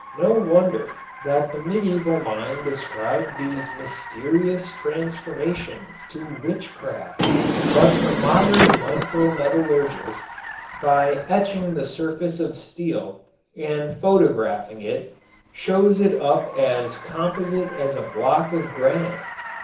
No wonder that the medieval mind ascribed these mysterious transformations to witchcraft. But the modern micrometallurgist, by etching the surface of steel and photographing it, shows it up as composite as a block of granite.